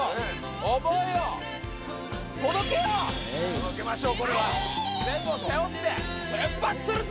届けましょうこれは！